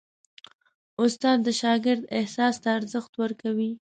استاد د شاګرد احساس ته ارزښت ورکوي.